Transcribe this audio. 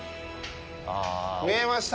見えました。